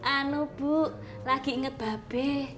anu bu lagi inget babe